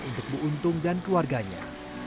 untuk bu untung dan keluarganya